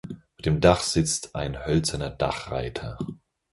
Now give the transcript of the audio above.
Auf dem Dach sitzt ein hölzerner Dachreiter.